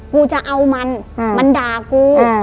กูจะเอามันมันด่ากู